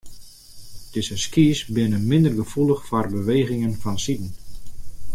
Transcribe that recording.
Dizze skys binne minder gefoelich foar bewegingen fansiden.